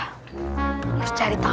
harus cari tahu nih